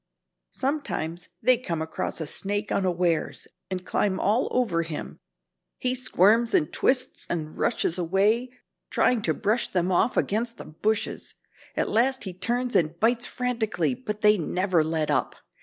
Sometimes they come across a snake unawares, and climb all over him. He squirms and twists and rushes away, trying to brush them off, against the bushes. At last he turns and bites frantically, but they never let up.